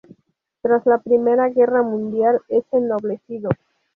Tras la Primera Guerra Mundial, es ennoblecido.